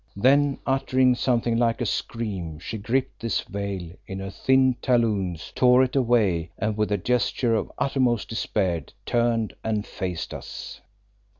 Then uttering something like a scream she gripped this veil in her thin talons, tore it away, and with a gesture of uttermost despair, turned and faced us.